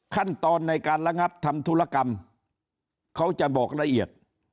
ขั้นตอนในการระงับทำธุรกรรมเขาจะบอกละเอียด